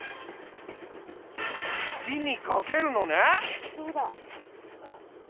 火にかけるのね。